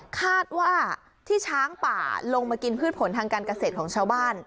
คาดว่าที่ช้างป่าลงมากินพืชผลทางการเกษตรของชาวบ้าน